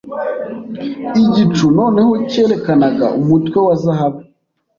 Igicu noneho cyerekanaga umutwe wa zahabu